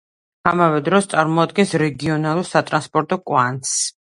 ამავე დროს, წარმოადგენს რეგიონულ სატრანსპორტო კვანძს.